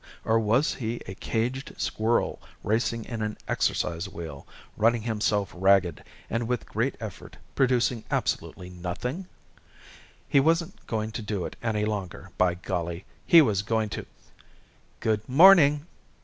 Or was he a caged squirrel racing in an exercise wheel, running himself ragged and with great effort producing absolutely nothing? He wasn't going to do it any longer, by golly! He was going to "Good morning!"